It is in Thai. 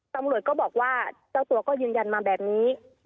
ตำรวจก็บอกว่าเจ้าตัวก็ยืนยันมาแบบนี้